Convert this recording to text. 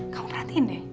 kamu perhatiin deh